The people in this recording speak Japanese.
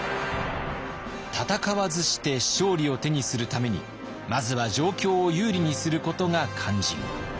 戦わずして勝利を手にするためにまずは状況を有利にすることが肝心。